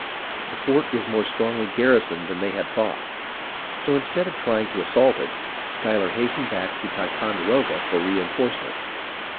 The fort was more strongly garrisoned than they had thought ; so instead of tr}'ing to assault it, Schuyler has tened back to Ticonderoga for reenforcements.